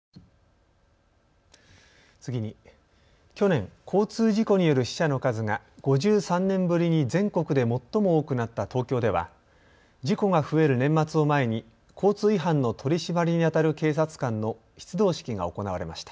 次に、去年、交通事故による死者の数が５３年ぶりに全国で最も多くなった東京では事故が増える年末を前に交通違反の取締りにあたる警察官の出動式が行われました。